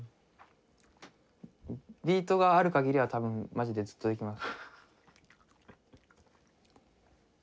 ビートがあるかぎりは多分マジでずっといけます。